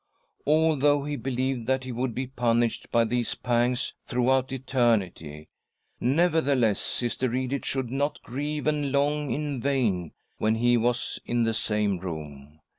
Although he believed that he would be punished by these pangs throughout eternity, nevertheless Sister Edith should not grieve and long in vain when he was in the same room.